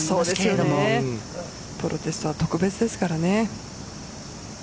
プロテストは特別ですからね。